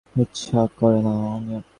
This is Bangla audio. এই জন্য উদয়াদিত্যকে শাস্তি দিতে ইচ্ছা করে না।